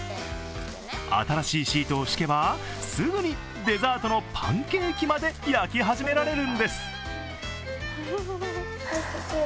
新しいシートを敷けば、すぐにデザートのパンケーキまで焼き始められるんです。